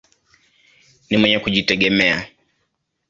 Ni mwenye kujitegemea.